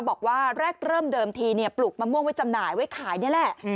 บอกว่าแรกเริ่มเดิมทีปลูกมะม่วงไว้จำหน่ายไว้ขายนี่แหละ